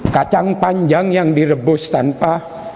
kacang panjang yang direbus tanpa